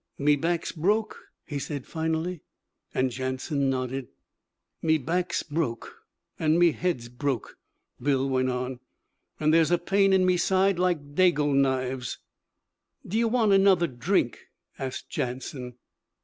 'Me back's broke?' he said finally, and Jansen nodded. 'Me back's broke, an' me head's broke,' Bill went on, 'an' there's a pain in me side like Dago knives.' 'D' ye want another drink?' asked Jansen.